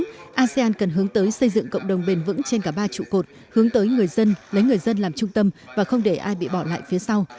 vì vậy asean cần hướng tới xây dựng cộng đồng bền vững trên cả ba trụ cột hướng tới người dân lấy người dân làm trung tâm và không để ai bị bỏ lại phía sau